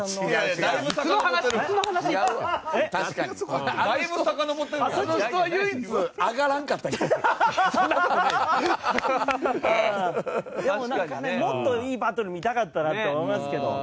でもなんかねもっといいバトル見たかったなと思いますけど。